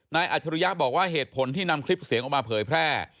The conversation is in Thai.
อัจฉริยะบอกว่าเหตุผลที่นำคลิปเสียงออกมาเผยแพร่